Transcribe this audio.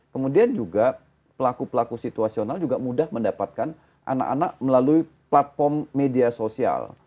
kemudian juga pelaku pelaku situasional juga mudah mendapatkan anak anak melalui platform media sosial